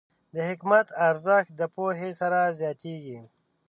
د حکمت ارزښت د پوهې سره زیاتېږي.